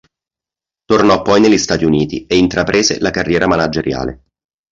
Tornò poi negli Stati Uniti e intraprese la carriera manageriale.